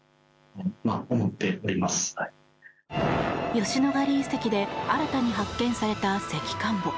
吉野ヶ里遺跡で新たに発見された石棺墓。